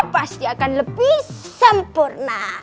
pasti akan lebih sempurna